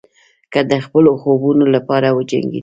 که د خپلو خوبونو لپاره وجنګېدئ.